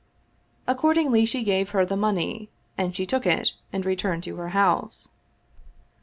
Ac cordingly, she gave her the money and she took it and re turned to her house.